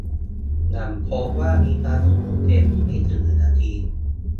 หลังโพสต์ว่า "มีความสุข" บนเฟซบุ๊กไม่ถึงหนึ่งนาที